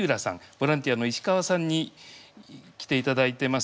ボランティアの石川さんに来ていただいてます。